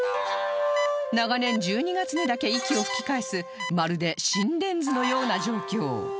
長年１２月にだけ息を吹き返すまるで心電図のような状況